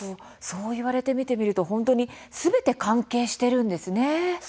そう言われて見てみると本当にすべて関係しているんですね。